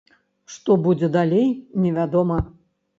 Што будзе далей, невядома.